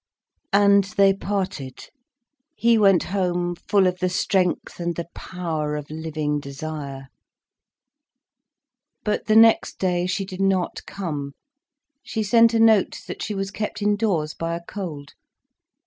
And they parted. He went home full of the strength and the power of living desire. But the next day, she did not come, she sent a note that she was kept indoors by a cold.